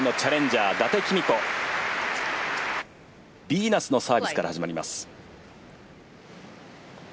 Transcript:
ビーナスのサービスから始まります。